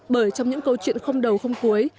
bởi trong những câu chuyện không đầu không cuối